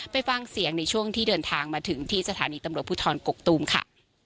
ไปฟังเสียงในช่วงที่เดินทางมาถึงที่สถานีตำรวจภูทรกกตูมค่ะ